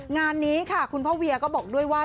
งานนี้ค่ะคุณพ่อเวียก็บอกด้วยว่า